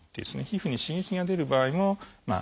皮膚に刺激が出る場合もありますね。